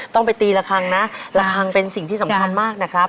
ต้องไปตีละครั้งนะละครั้งเป็นสิ่งที่สำคัญมากนะครับ